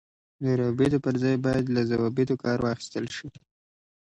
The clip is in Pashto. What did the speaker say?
د روابطو پر ځای باید له ضوابطو کار واخیستل شي.